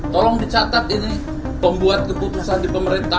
tolong dicatat ini pembuat keputusan di pemerintah